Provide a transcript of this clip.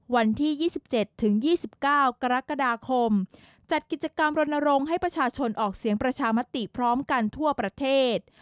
วันที่๒๗ถึง๒๙กรกฎาคมจัดกิจกรรมรณรงค์ให้ประชาชนออกเสียงประชามติพร้อมกันทั่วประเทศ